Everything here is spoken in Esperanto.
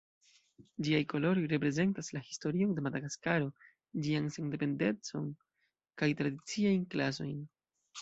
Ĝiaj koloroj reprezentas la historion de Madagaskaro, ĝian sendependecon kaj tradiciajn klasojn.